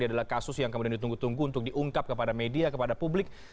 adalah kasus yang kemudian ditunggu tunggu untuk diungkap kepada media kepada publik